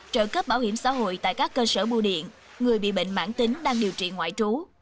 trợ cấp bảo hiểm xã hội tại các cơ sở bu điện người bị bệnh mãn tính đang điều trị ngoại trú